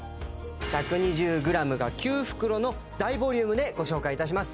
１２０ｇが９袋の大ボリュームでご紹介いたします